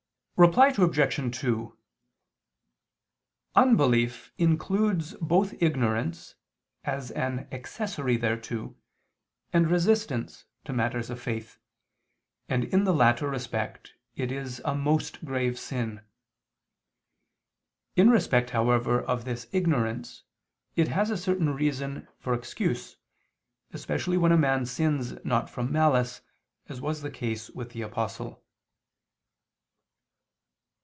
Reply Obj. 2: Unbelief includes both ignorance, as an accessory thereto, and resistance to matters of faith, and in the latter respect it is a most grave sin. In respect, however, of this ignorance, it has a certain reason for excuse, especially when a man sins not from malice, as was the case with the Apostle.